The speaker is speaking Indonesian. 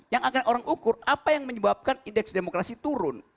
yang akan orang ukur apa yang menyebabkan indeks demokrasi turun